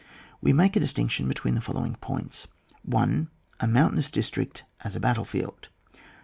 We make a distinction between the following points :— 1. A moimtainous district as a battle field.